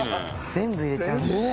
全部入れちゃうんですね。